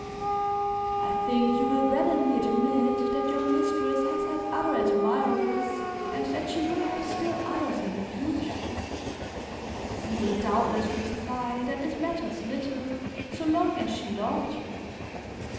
"I think you will readily admit that your mistress has had other admirers and that she will have still others in the future; you will doubtless reply that it matters little, so long as she loved you.